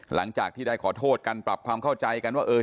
หลังจากที่ได้ขอโทษกันปรับความเข้าใจกันว่า